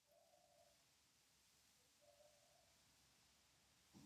دوام د تمرکز له ځواک نه راځي.